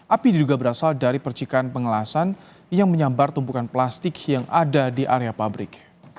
api diduga berasal dari percikan pengelasan yang menyambar tumpukan plastik yang ada di area pabrik